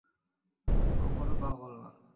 ও কোনও পাগল না।